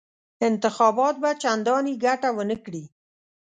انتخابات به چنداني ګټه ونه کړي.